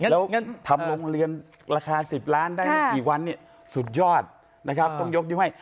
แล้วทำโรงเรียนราคา๑๐ล้านได้ไม่กี่วันสุดยอดนะครับต้องยกนิ้วให้